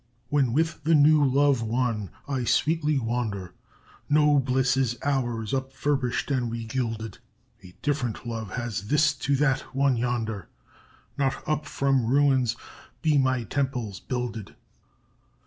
When with the new love won I sweetly wander, No bliss is ours upfurbish'd and regilded; A different love has This to That one yonder Not up from ruins be my temples builded.